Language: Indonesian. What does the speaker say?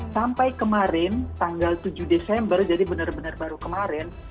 sampai kemarin tanggal tujuh desember jadi benar benar baru kemarin